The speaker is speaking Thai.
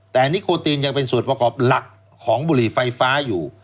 แต่นิโคตีนยังเป็นส่วนประกอบหลักของบุหรี่ไฟฟ้าอยู่